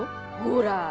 ほら！